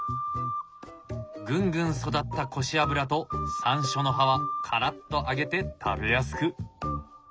ぐんぐん育ったコシアブラとサンショウの葉はカラッと揚げて食べやすく。